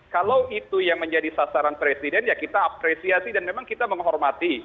kalau itu yang menjadi sasaran presiden ya kita apresiasi dan memang kita menghormati